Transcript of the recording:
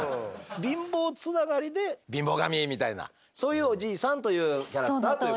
貧乏つながりで貧乏神みたいなそういうおじいさんというキャラクターということですね。